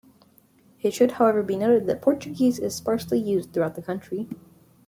It should however be noted that Portuguese is sparsely used throughout the country.